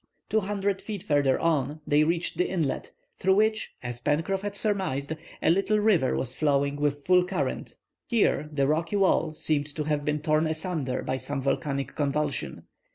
Two hundred feet further on they reached the inlet, through which, as Pencroff had surmised, a little river was flowing with full current Here the rocky wall seemed to have been torn asunder by some volcanic convulsion.